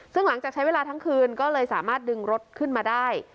ซึ่งหลังจากใช้เวลาทั้งคืนก็เลยสามารถดึงรถขึ้นมาได้